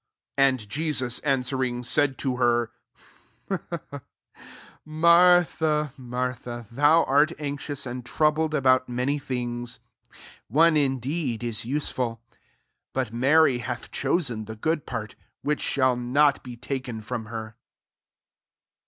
41 And Jesus answering, said to her, " Martha, Martha, thou art anx ious, and troubled about many things; 42 one indeed is usefuU* but Mary hath chosen the good part, which shall not be taken from her."